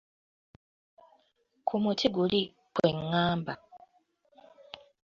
Ku muti guli kwe ŋŋamba.